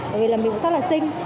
bởi vì là mình cũng rất là sinh